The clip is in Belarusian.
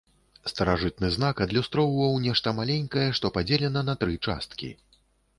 Старажытны знак адлюстроўваў нешта маленькае, што падзелена на тры часткі.